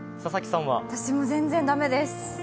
私も全然駄目です。